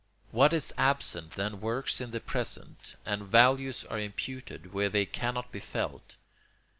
What is absent then works in the present, and values are imputed where they cannot be felt.